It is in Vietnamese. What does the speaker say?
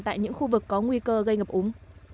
tại những khu vực có nguy cơ gây ngập úng